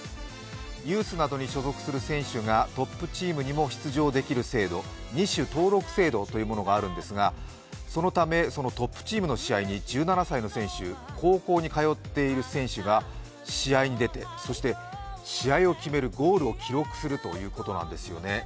ユースなどに所属する選手がトップチームに出場できる制度、２種登録制度というものがあるんですがそのため、トップチームの試合に１７歳の、高校に通っている選手が試合に出て、そして試合を決めるゴールを記録するということなんですよね。